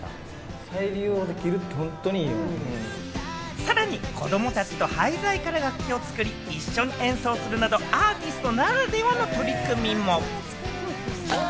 さらに、子供たちと廃材から楽器を作り一緒に演奏するなど、アーティストならではの取り組みも。